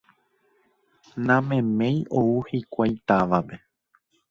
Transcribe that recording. Nameméi ou hikuái távape